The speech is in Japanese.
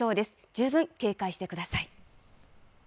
十分警戒してください。